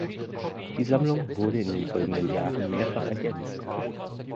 Die Sammlung wurde in den folgenden Jahren mehrfach ergänzt.